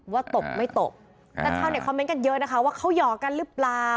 ตบไม่ตกแต่ชาวเน็คอมเมนต์กันเยอะนะคะว่าเขาหยอกกันหรือเปล่า